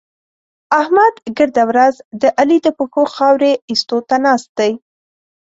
احمد ګرده ورځ د علي د پښو خاورې اېستو ته ناست دی.